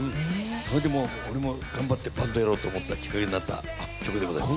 それでもう俺も頑張ってバンドやろうと思ったきっかけになった曲でございます。